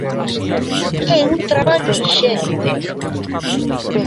É un traballo inxente.